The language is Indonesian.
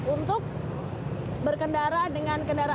untuk berkendara dengan kendaraan roda empat